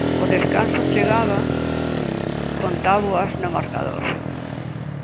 O descanso chegaba con táboas no marcador.